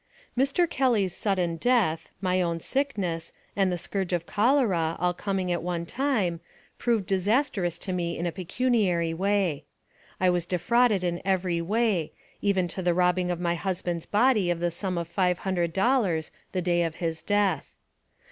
ME. KELLY'S sudden death, my own sickness, and the scourge of cholera, all coming at one time, proved disastrous to me in a pecuniary way. I was defrauded in every way, even to the robbing of my husband's body of the sum of five hundred dollars the day of his death.